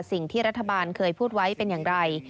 สิ่งที่รัฐบาลเคยพูดไว้เป็นอย่างไร